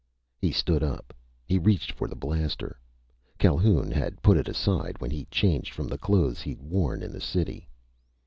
He stood up. He reached for the blaster Calhoun had put aside when he changed from the clothes he'd worn in the city.